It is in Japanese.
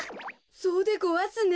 そうでごわすね。